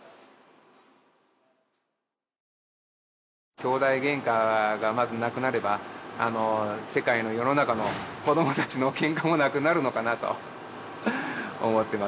兄弟ゲンカがまずなくなれば世界の世の中の子どもたちのケンカもなくなるのかなと思ってます。